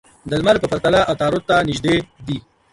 د لمر په پرتله عطارد ته نژدې دي.